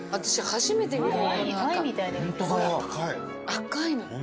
赤いの。